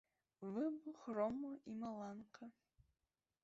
Выбух грому і маланка.